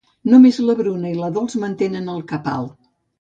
Només la Bruna i la Dols mantenen el cap alt.